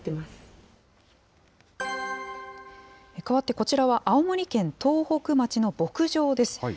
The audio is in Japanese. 変わってこちらは青森県東北町の牧場です。